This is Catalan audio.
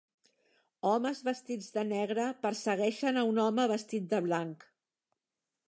Homes vestits de negre persegueixen a un home vestit de blanc